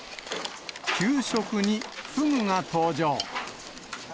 給食にフグが登場。